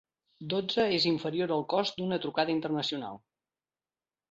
Dotze és inferior al cost d'una trucada internacional.